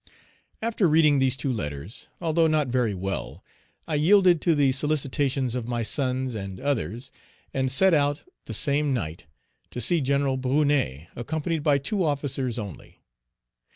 After reading these two letters, although not very well, I yielded to the solicitations of my sons and others, and set out the same night to see Gen. Brunet, accompanied by two officers only.